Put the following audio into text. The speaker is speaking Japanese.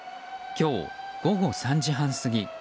今日、午後３時半過ぎ